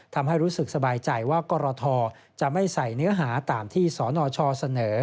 ทำให้รู้สึกสบายใจว่ากรทจะไม่ใส่เนื้อหาตามที่สนชเสนอ